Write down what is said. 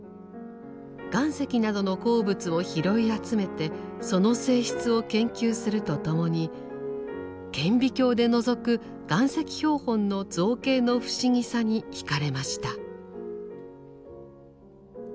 岩石などの鉱物を拾い集めてその性質を研究するとともに顕微鏡でのぞく岩石標本の造形の不思議さに惹かれました。